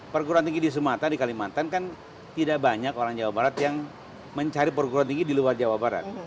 perguruan tinggi di sumatera di kalimantan kan tidak banyak orang jawa barat yang mencari perguruan tinggi di luar jawa barat